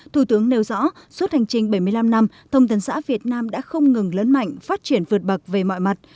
thủ tướng nêu rõ suốt hành trình bảy mươi năm năm thông tấn xã việt nam đã không ngừng lớn mạnh phát triển vượt bậc về mọi mặt